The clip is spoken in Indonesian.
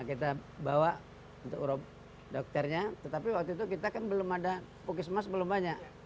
kita bawa dokternya tetapi waktu itu kita kan belum ada pukis mas belum banyak